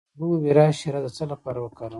د الوویرا شیره د څه لپاره وکاروم؟